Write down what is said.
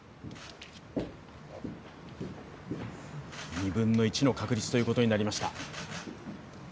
２分の１の確率ということになりました。